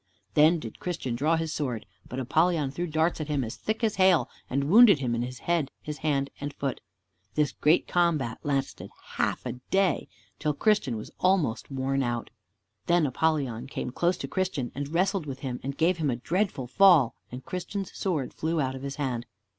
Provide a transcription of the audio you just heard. Then did Christian draw his sword, but Apollyon threw darts at him as thick as hail, and wounded him in his head, his hand, and foot. This great combat lasted half a day, till Christian was almost worn out. Then Apollyon came close to Christian, and wrestled with him and gave him a dreadful fall, and Christian's sword flew out of his hand.